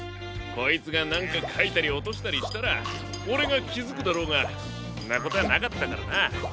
こいつがなんかかいたりおとしたりしたらオレがきづくだろうがんなことなかったからな。